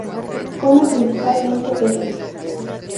Come principalmente peces.